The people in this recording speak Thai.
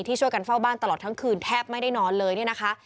ช่วยกันเฝ้าบ้านตลอดทั้งคืนแทบไม่ได้นอนเลยเนี่ยนะคะ